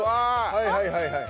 はいはいはいはい。